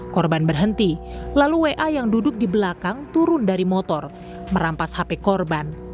korban berhenti lalu wa yang duduk di belakang turun dari motor merampas hp korban